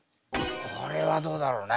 これはどうだろうね？